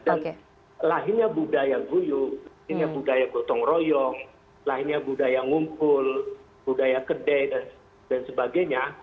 dan lahirnya budaya guyu budaya gotong royong lahirnya budaya ngumpul budaya kede dan sebagainya